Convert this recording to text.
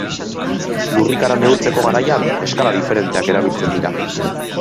Lurrikara neurtzeko garaian, eskala diferenteak erabiltzen dira.